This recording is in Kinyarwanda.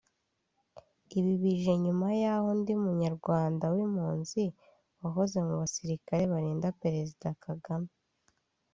Ibi bije nyuma y’aho undi munyarwanda w’impunzi wahoze mu basirikare barinda Perezida Kagame